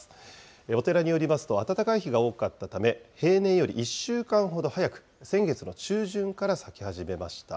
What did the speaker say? お寺によりますと、暖かい日が多かったため、平年より１週間ほど早く先月の中旬から咲き始めました。